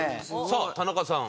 さあ田中さん。